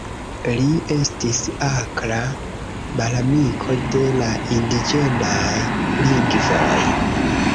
Li estis akra malamiko de la indiĝenaj lingvoj.